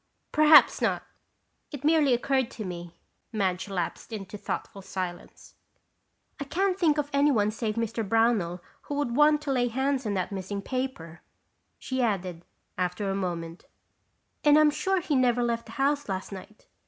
"Perhaps not. It merely occurred to me." Madge lapsed into thoughtful silence. "I can't think of anyone save Mr. Brownell who would want to lay hands on that missing paper," she added, after a moment, "and I'm sure he never left the house last night.